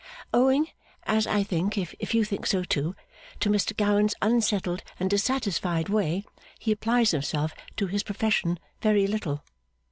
Owing (as I think, if you think so too) to Mr Gowan's unsettled and dissatisfied way, he applies himself to his profession very little.